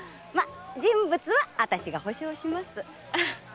人物は私が保証します。